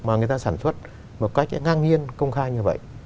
mà người ta sản xuất một cách ngang nhiên công khai như vậy